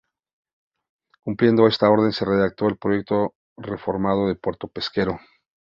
Cumpliendo esta orden se redactó el "Proyecto reformado de Puerto Pesquero".